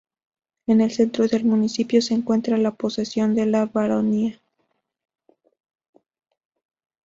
En el centro del municipio se encuentra la posesión de "La Baronía".